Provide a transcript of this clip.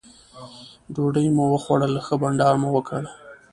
ډوډۍ مو وخوړل ښه بانډار مو وکړ.